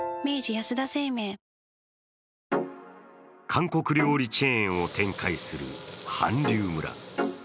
韓国料理チェーンを展開する韓流村。